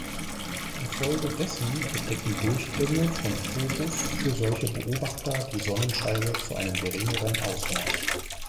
Infolgedessen bedecken Durchgänge von Phobos für solche Beobachter die Sonnenscheibe zu einem geringeren Ausmaß.